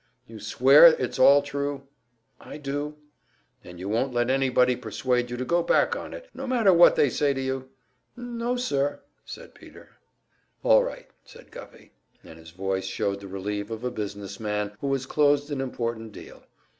"You swear it's all true?" "I do." "And you won't let anybody persuade you to go back on it no matter what they say to you?" "N n no, sir," said Peter. "All right," said Guffey; and his voice showed the relief of a business man who has closed an important deal.